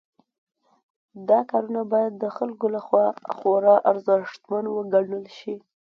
دا کارونه باید د خلکو لخوا خورا ارزښتمن وګڼل شي.